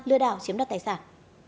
lừa đảo chiếm đặt tài sản